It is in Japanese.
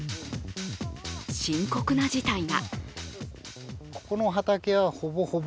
深刻な事態が。